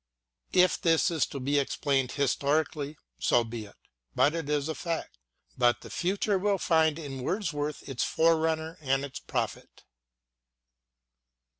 If this is to be explained historically, so be it ; but it is a fact. But the future will find in Wordsworth its foreseer and its prophet.